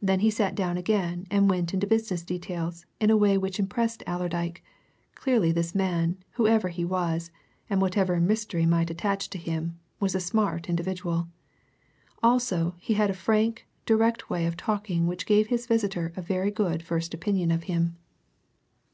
Then he sat down again and went into business details in a way which impressed Allerdyke clearly this man, whoever he was, and whatever mystery might attach to him, was a smart individual. Also he had a frank, direct way of talking which gave his visitor a very good first opinion of him.